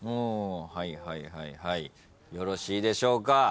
はいはいはいはいよろしいでしょうか。